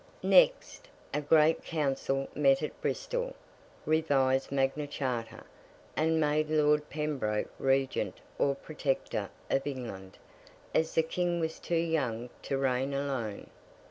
Next, a great council met at Bristol, revised Magna Charta, and made Lord Pembroke Regent or Protector of England, as the King was too young to reign alone.